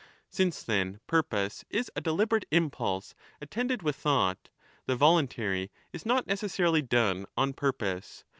Since, then, purpose is a deliberate impulse attended with thought, the voluntary is not necessarily done on purpose.